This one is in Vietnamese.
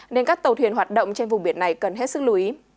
nên các tàu thuyền hoạt động trên vùng biển này cần hết sức lưu ý